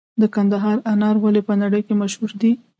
د کندهار انار ولې په نړۍ کې مشهور دي؟